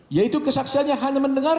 yaitu kesaksiannya hanya mendengar